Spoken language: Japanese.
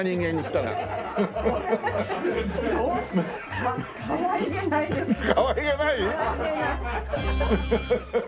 かわいげない？